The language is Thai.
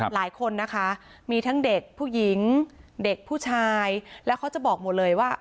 หลายคนนะคะมีทั้งเด็กผู้หญิงเด็กผู้ชายแล้วเขาจะบอกหมดเลยว่า